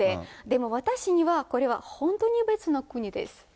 でも私には、これは本当に別の国です。